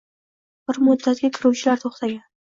Bir muddatga kiruvchilar to’xtagan